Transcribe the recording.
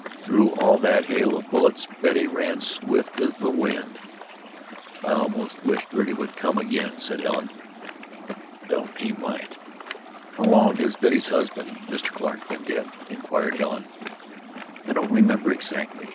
Through all that hail of bullets Betty ran swift as the wind." "I almost wish Girty would come again," said Helen. "Don't; he might." "How long has Betty's husband, Mr. Clarke, been dead?" inquired Helen. "I don't remember exactly.